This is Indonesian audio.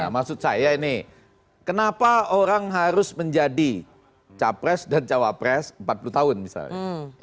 maksud saya ini kenapa orang harus menjadi capres dan cawapres empat puluh tahun misalnya